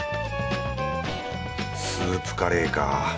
スープカレーか。